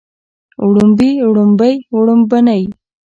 وړومبي وړومبۍ وړومبنۍ